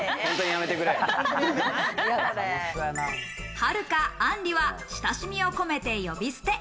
はるか、あんりは親しみを込めて呼び捨て。